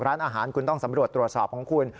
ร้านอาหารคุณต้องสำรวจตรวจสอบของคุณ